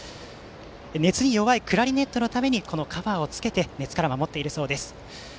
熱に弱いクラリネットのためにこのカバーをつけて熱からまもっているそうです。